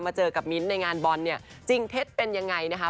เจอกับมิ้นท์ในงานบอลเนี่ยจริงเท็จเป็นยังไงนะคะ